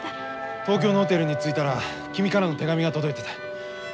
東京のホテルに着いたら君からの手紙が届いてた。